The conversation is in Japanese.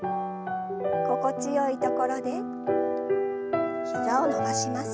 心地よいところで膝を伸ばします。